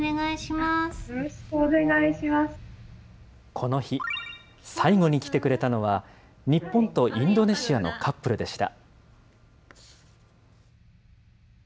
この日、最後に来てくれたのは、日本とインドネシアのカップルでした。